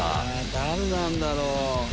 誰なんだろう？